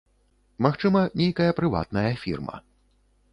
Магчыма, нейкая прыватная фірма.